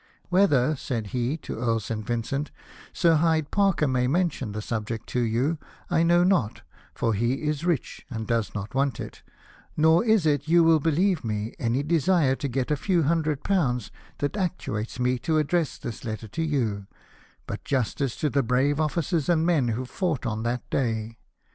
" Whether/' said he to Earl St. Vincent, " Sir Hyde Parker may mention the subject to you, I know not, for he is rich, and does not want it ; nor is it, you will believe me, any desire to get a few hundred pounds, that actuates me to address this letter to you, but justice to the brave ofiicers and men who fought on that day.